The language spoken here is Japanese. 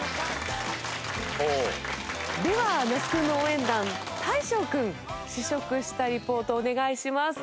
では那須君の応援団大昇君試食したリポートお願いします。